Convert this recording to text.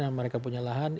yang mereka punya lahan